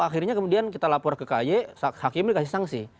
akhirnya kemudian kita lapor ke kay hakim dikasih sanksi